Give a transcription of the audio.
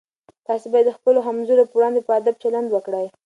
تاسي باید د خپلو همزولو په وړاندې په ادب چلند وکړئ.